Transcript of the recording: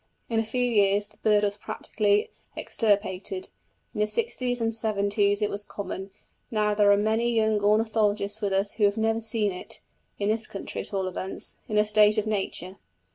In a few years the bird was practically extirpated; in the sixties and seventies it was common, now there are many young ornithologists with us who have never seen it (in this country at all events) in a state of nature.